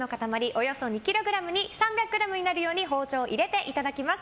およそ２ｋｇに３００ｇになるように包丁を入れていただきます。